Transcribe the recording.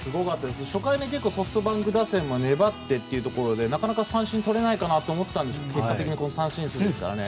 初回にソフトバンク打線は粘ってというところでなかなか三振とれないかなと思ったんですが結果的に、この三振数ですから。